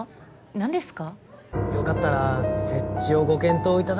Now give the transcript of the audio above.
何ですか？